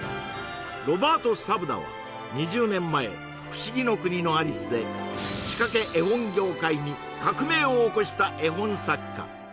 ロバート・サブダは２０年前「不思議の国のアリス」で仕掛け絵本業界に革命を起こした絵本作家